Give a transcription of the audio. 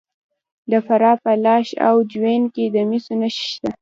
د فراه په لاش او جوین کې د مسو نښې شته.